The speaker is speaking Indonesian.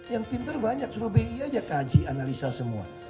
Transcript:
yang pintar banyak sudah bi aja kaji analisa semua